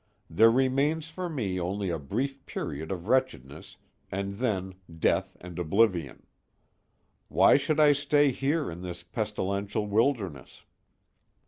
There remains for me only a brief period of wretchedness, and then death and oblivion. Why should I stay here in this pestilential wilderness?